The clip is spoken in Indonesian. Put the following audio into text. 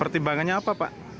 pertimbangannya apa pak